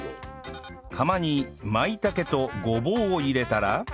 釜にまいたけとごぼうを入れたら